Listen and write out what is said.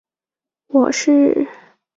其成绩在香港中无人能及。